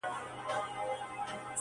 سړیتوب کي بس دولت ورته مِعیار دی-